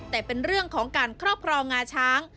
แต่เป็นเรื่องของการครอบครองงาช้าง